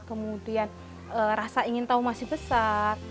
kemudian rasa ingin tahu masih besar